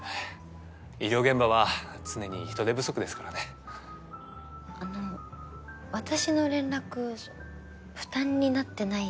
医療現場は常に人手不足ですからねあの私の連絡負担になってないですか？